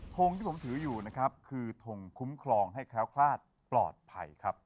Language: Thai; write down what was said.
ทงที่ผมถืออยู่นะครับคือทงคุ้มครองให้แคล้วคลาดปลอดภัยครับ